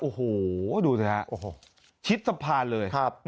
โอ้โหดูซิฮะชิดสะพานเลย